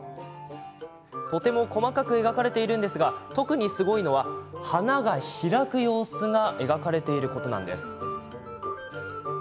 とても細かく描かれているんですが特に、すごいのは花が開く様子をスケッチしてあることなんです。